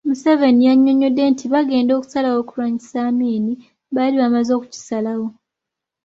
Museveni yannyonnyodde nti bagenda okusalawo okulwanyisa Amin baali bamaze okukisalawo.